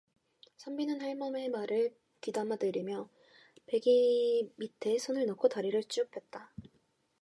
선비는 할멈의 말을 귀담아들으며 베개 밑에 손을 넣고 다리를 쭉 폈다.